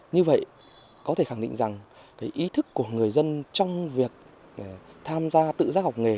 như vậy có thể khẳng định rằng ý thức của người dân trong việc tham gia tự giác học nghề